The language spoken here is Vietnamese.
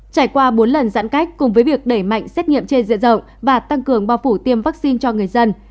trải qua bốn lần giãn cách cùng với việc đẩy mạnh xét nghiệm trên diện rộng và tăng cường bao phủ tiêm vaccine cho người dân